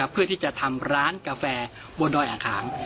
เพื่อที่จะทำร้านกาแฟบนดอยอ่างขาง